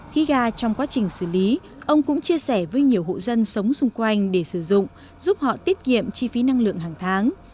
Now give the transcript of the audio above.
khí ga trong quá trình xử lý ông cũng chia sẻ với nhiều hộ dân sống xung quanh để sử dụng giúp họ tiết kiệm chi phí năng lượng hàng tháng